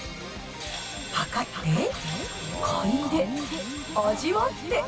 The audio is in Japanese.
量って、嗅いで、味わって。